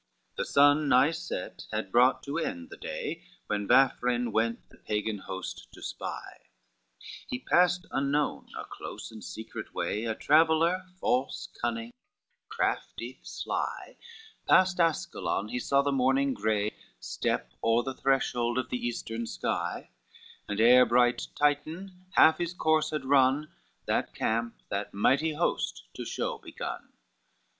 LVII The sun nigh set had brought to end the day, When Vafrine went the Pagan host to spy, He passed unknown a close and secret way; A traveller, false, cunning, crafty, sly, Past Ascalon he saw the morning gray Step o'er the threshold of the eastern sky, And ere bright Titan half his course had run, That camp, that mighty host to show begun.